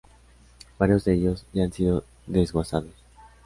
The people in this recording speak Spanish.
Varios de ellos ya han sido desguazados.